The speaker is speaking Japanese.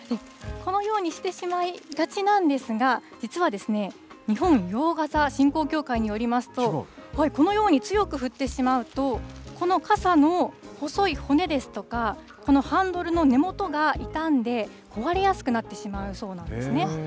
このようにしてしまいがちなんですが、実は、日本洋傘振興協会によりますと、このように強く振ってしまうと、この傘の細い骨ですとか、このハンドルの根元が傷んで壊れやすくなってしまうそうなんですね。